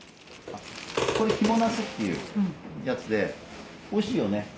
これヒモナスっていうやつでおいしいよね。